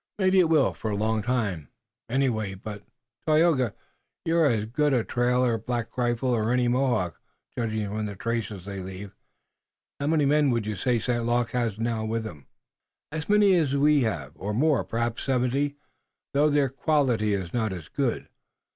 "Maybe it will for a long time, anyway. But, Tayoga, you're as good a trailer as Black Rifle or any Mohawk. Judging from the traces they leave, how many men would you say St. Luc now has with him?" "As many as we have, or more, perhaps seventy, though their quality is not as good.